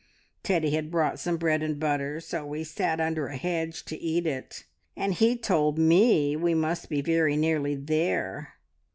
Teddy had brought some bread and butter, so we sat under a hedge to eat it, and he told me we must be very nearly there.